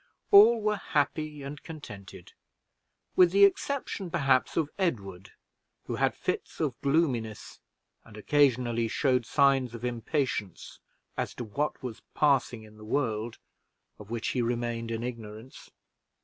All were happy and contented, with the exception, perhaps, of Edward, who had fits of gloominess, and occasionally showed signs of impatience as to what was passing in the world, of which he remained in ignorance.